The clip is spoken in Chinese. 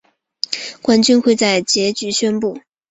冠军会在结局宣布。